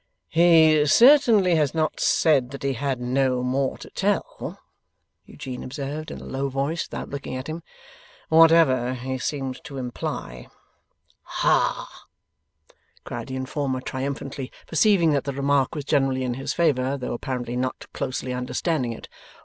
'He certainly has not said that he had no more to tell,' Eugene observed in a low voice without looking at him, 'whatever he seemed to imply.' 'Hah!' cried the informer, triumphantly perceiving that the remark was generally in his favour, though apparently not closely understanding it.